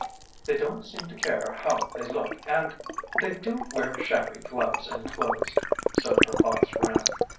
"They don't seem to care how they look and ... they do wear shabby gloves and shoes." So her thoughts ran.